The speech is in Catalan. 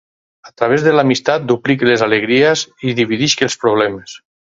A través de l'amistat, duplique les alegries i dividisc els problemes.